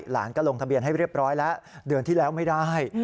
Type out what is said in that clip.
หลานก็ลงทะเบียนให้เรียบร้อยแล้วเดือนที่แล้วไม่ได้